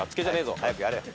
早くやれ。